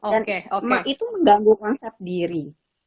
dan itu mengganggu konsep diri